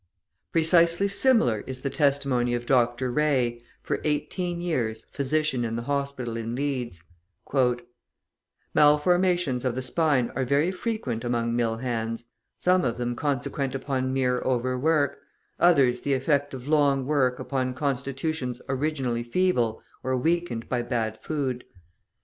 Precisely similar is the testimony of Dr. Ray, for eighteen years physician in the hospital in Leeds: {153a} "Malformations of the spine are very frequent among mill hands; some of them consequent upon mere overwork, others the effect of long work upon constitutions originally feeble, or weakened by bad food.